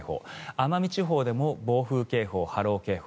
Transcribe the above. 奄美地方でも暴風警報、波浪警報。